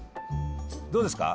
どうですか？